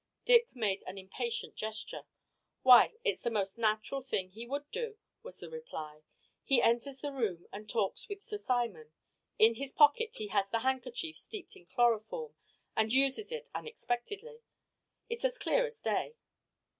Dick made an impatient gesture. "Why, it's the most natural thing he would do," was his reply. "He enters the room, and talks with Sir Simon. In his pocket he has the handkerchief steeped in chloroform and uses it unexpectedly. It's as clear as day."